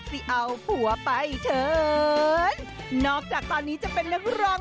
ผัวไปเถินเอาผัวไปเถินเอาผัวไปเถินเอาผัวไปเถิน